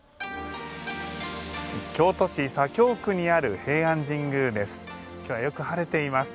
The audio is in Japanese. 京都市左京区にある平安神宮です。